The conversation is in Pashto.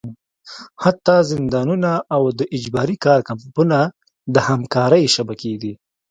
حتی زندانونه او د اجباري کار کمپونه د همکارۍ شبکې دي.